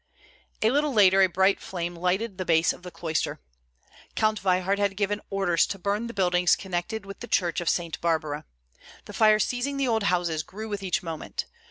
A little later a bright flame lighted the base of the cloister. Count Veyhard had given orders to burn the buildings connected with the church of Saint Barbara. The fire seizing the old houses grew with each moment.